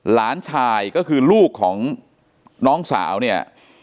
หลานชายก็คือลูกของน้องสาวเนี่ย